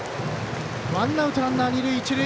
ワンアウト、ランナー、二塁一塁。